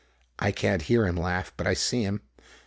I can't hear him laugh. But I see him.